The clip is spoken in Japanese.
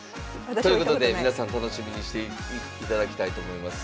ということで皆さん楽しみにしていただきたいと思います。